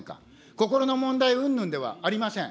心の問題うんぬんではありません。